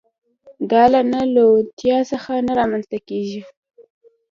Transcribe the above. دا له نه لېوالتيا څخه نه رامنځته کېږي.